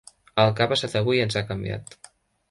El que ha passat avui ens ha canviat.